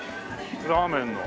ラーメンの。